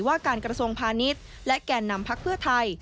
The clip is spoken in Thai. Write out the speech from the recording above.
ว่าการกระทรวงพาณิชย์และแก่นำพักเพื่อไทย